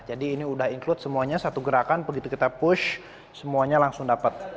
jadi ini udah include semuanya satu gerakan begitu kita push semuanya langsung dapat